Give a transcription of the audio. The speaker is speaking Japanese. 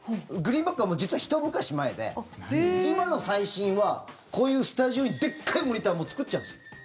グリーンバックはもう実は、ひと昔前で今の最新はこういうスタジオにでっかいモニターをもう作っちゃうんですよ。